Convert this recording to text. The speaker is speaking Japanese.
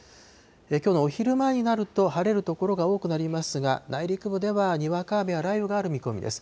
きょうのお昼前になると、晴れる所が多くなりますが、内陸部ではにわか雨や雷雨がある見込みです。